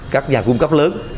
các nhà cung cấp lớn